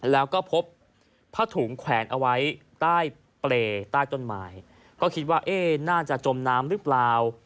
แล้วก็พบผ้าถุงแขวนเอาไว้ใต้เปรย์ใต้ต้นไม้ก็คิดว่าเอ๊ะน่าจะจมน้ำหรือเปล่า